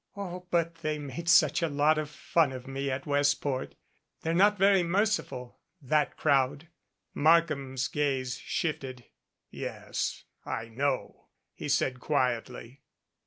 "Oh, but they made such a lot of fun of me at West port. They're not very merciful that crowd." Markham's gaze shifted. "Yes, I know," he said quietly.